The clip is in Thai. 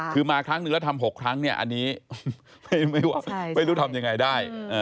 คือมาครั้งนึงแล้วทำ๖ครั้งเนี่ยอันนี้ไม่รู้ทำยังไงได้